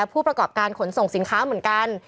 ผู้ประกอบการขนส่งสินค้าเหมือนกัน